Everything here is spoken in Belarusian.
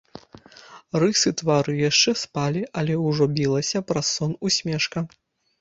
Рысы твару яшчэ спалі, але ўжо білася праз сон усмешка.